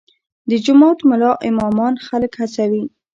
د جومات ملا امامان خلک هڅوي؟